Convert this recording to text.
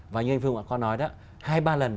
và như anh phương đã có nói đó hai ba lần